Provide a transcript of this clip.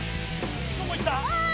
どこ行った？